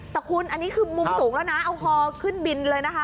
แต่คุณอันนี้คือมุมสูงแล้วนะเอาฮอขึ้นบินเลยนะคะ